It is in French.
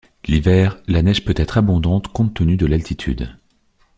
L'hiver, la neige peut être abondante compte tenu de l'altitude.